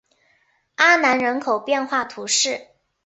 阿南人口变化图示